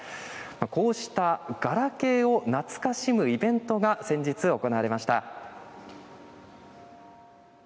こうしたガラケーを懐かしむイベントが先日行われました。